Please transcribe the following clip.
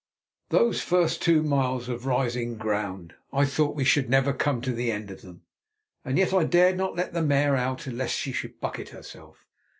Those first two miles of rising ground! I thought we should never come to the end of them, and yet I dared not let the mare out lest she should bucket herself.